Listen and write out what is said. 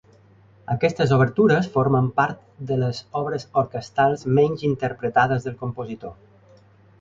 Aquestes obertures formen part de les obres orquestrals menys interpretades del compositor.